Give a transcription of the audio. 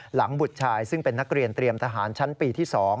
บุตรชายซึ่งเป็นนักเรียนเตรียมทหารชั้นปีที่๒